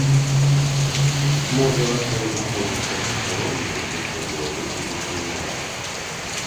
Можа, калі знаходзіўся б у калоніі, дык сядзеў бы і вучыў мову.